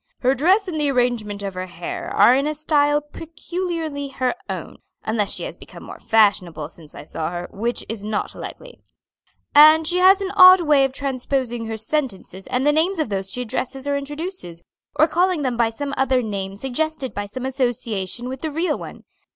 "Her dress and the arrangement of her hair are in a style peculiarly her own (unless she has become more fashionable since I saw her, which is not likely); and she has an odd way of transposing her sentences and the names of those she addresses or introduces, or calling them by some other name suggested by some association with the real one.